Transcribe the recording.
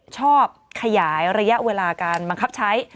ชอบขยายระยะเวลาการบังคับใช้